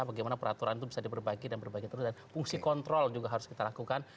bagaimana peraturan itu bisa diperbagi dan berbagi terus dan fungsi kontrol juga harus kita lakukan